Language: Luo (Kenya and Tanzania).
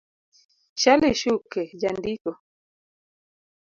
Shali Shuke - Jandiko